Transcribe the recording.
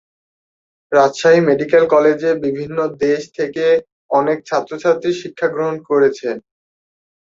Rajshahi medical কলেজে বিভিন্ন দেশ থেকে অনেক ছাত্র-ছাত্রী শিক্ষা গ্রহণ করেছে।